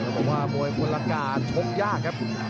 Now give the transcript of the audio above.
บอกว่ามวยคนละกาศชกยากครับ